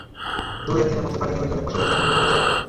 দু-এক দিনের মধ্যে পানি নেমে গেলে ফসলের তেমন কোনো ক্ষতি হবে না।